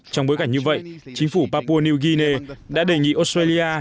trong bối cảnh như vậy chính phủ papua new guinea đã đề nghị australia